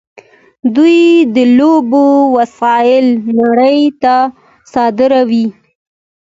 دوی د لوبو وسایل نړۍ ته صادروي.